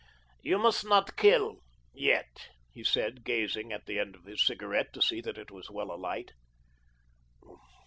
"You must not kill yet," he said, gazing at the end of his cigarette to see that it was well alight.